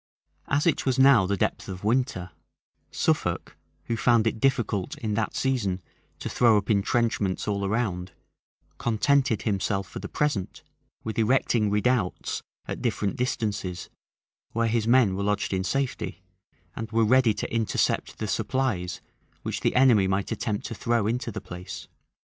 As it was now the depth of winter, Suffolk, who found it difficult, in that season, to throw up intrenchments all around, contented himself, for the present, with erecting redoubts at different distances, where his men were lodged in safety, and were ready to intercept the supplies which the enemy might attempt to throw into the place.